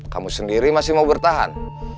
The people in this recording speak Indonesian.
kamu sendiri masih mau bertahan